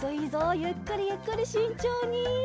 ゆっくりゆっくりしんちょうに。